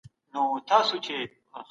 زه شاعري كومه